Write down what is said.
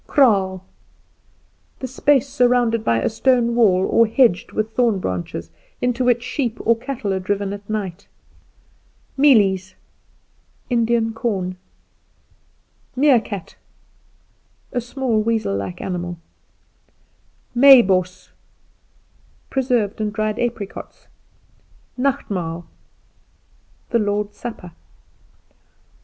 Kraal The space surrounded by a stone wall or hedged with thorn branches, into which sheep or cattle are driven at night. Mealies Indian corn. Meerkat A small weazel like animal. Meiboss Preserved and dried apricots. Nachtmaal The Lord's Supper.